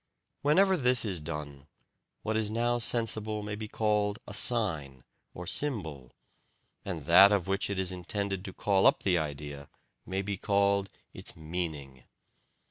Whenever this is done, what is now sensible may be called a "sign" or "symbol," and that of which it is intended to call up the "idea" may be called its "meaning."